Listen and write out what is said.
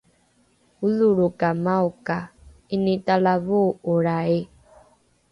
odholrokamao ka ’initalavoo’olrai